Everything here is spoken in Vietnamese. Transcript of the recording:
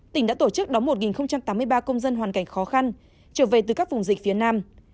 tỉnh đã tổ chức đón một tám mươi ba công dân hoàn cảnh khó khăn trở về từ các vùng dịch phía nam